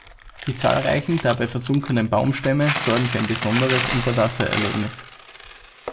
Die zahlreichen dabei versunkenen Baumstämme sorgen für ein besonderes Unterwasser-Erlebnis.